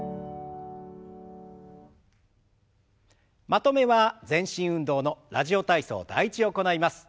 まとめは全身運動の「ラジオ体操第１」を行います。